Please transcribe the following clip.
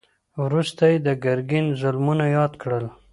وروسته يې د ګرګين ظلمونه ياد کړل.